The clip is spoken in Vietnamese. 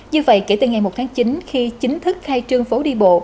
như vậy kể từ ngày một tháng chín khi chính thức khai trương phố đi bộ